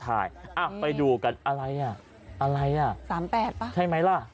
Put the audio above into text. อ้าวไปดูกะอะไรอ่ะอะไรอ่ะสามแปดปะใช่ไหมล่ะ